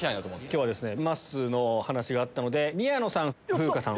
今日はまっすーのお話があったので宮野さん風花さん